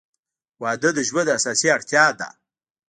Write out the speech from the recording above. • واده د ژوند اساسي اړتیا ده.